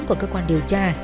của cơ quan điều tra